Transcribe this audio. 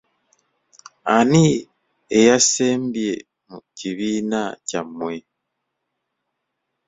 Ani eyasembye mu kibiina kyammwe?